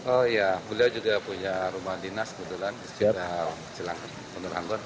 oh iya beliau juga punya rumah dinas kebetulan